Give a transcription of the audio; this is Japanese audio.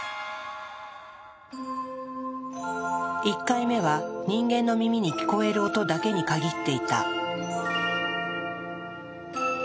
１回目は人間の耳に聞こえる音だけに限っていた。